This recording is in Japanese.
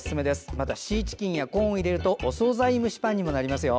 またシーチキンやコーンを入れるとお総菜蒸しパンになりますよ。